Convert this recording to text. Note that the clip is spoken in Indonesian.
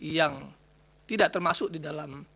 yang tidak termasuk di dalam